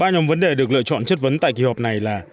ba nhóm vấn đề được lựa chọn chất vấn tại kỳ họp này là